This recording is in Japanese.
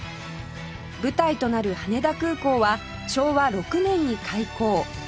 舞台となる羽田空港は昭和６年に開港